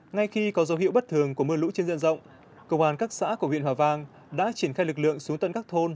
ngay khi có dấu hiệu bất thường của mưa lũ trên diện rộng công an các xã của huyện hòa vang đã triển khai lực lượng xuống tận các thôn